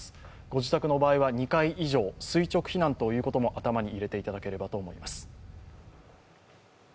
ご自宅の場合は２階以上、垂直避難ということも頭に入れていただければと思います。